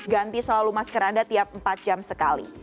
ganti selalu masker anda tiap empat jam sekali